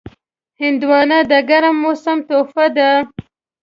هندوانه د ګرم موسم تحفه ده.